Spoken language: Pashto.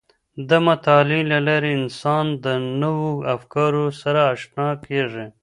د مطالعې له لارې انسان د نوو افکارو سره آشنا کیږي.